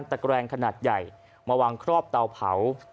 จะมีขนาด๓คูณ๔เมตรปิดครอบเตาเผา